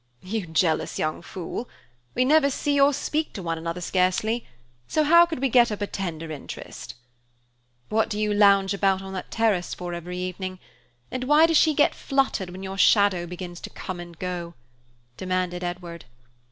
"You jealous young fool! We never see or speak to one another scarcely, so how could we get up a tender interest?" "What do you lounge about on that terrace for every evening? And why does she get fluttered when your shadow begins to come and go?" demanded Edward.